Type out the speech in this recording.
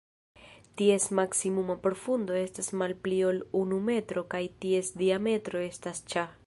Ties maksimuma profundo estas malpli ol unu metro kaj ties diametro estas ĉa.